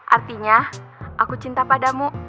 artinya aku cinta padamu